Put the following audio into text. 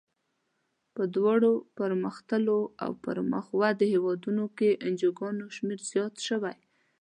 په دواړو پرمختللو او مخ پر ودې هېوادونو کې د انجوګانو شمیر زیات شوی.